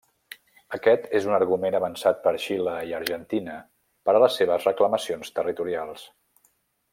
Aquest és un argument avançat per Xile i Argentina per a les seves reclamacions territorials.